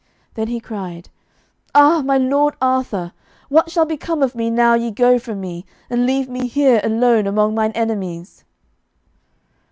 Then he cried, "Ah, my lord Arthur, what shall become of me now ye go from me, and leave me here alone among mine enemies!"